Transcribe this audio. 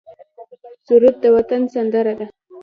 سرود د وطن سندره ده